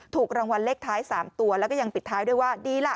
ถูกรางวัลเลขท้าย๓ตัวแล้วก็ยังปิดท้ายด้วยว่าดีล่ะ